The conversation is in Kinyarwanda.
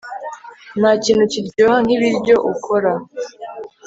Ntakintu kiryoha nkibiryo ukora